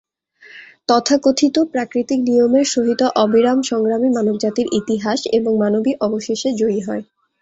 তথাকথিত প্রাকৃতিক নিয়মের সহিত অবিরাম সংগ্রামই মানবজাতির ইতিহাস এবং মানবই অবশেষে জয়ী হয়।